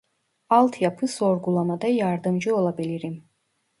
Altyapı sorgulamada yardımcı olabilirim.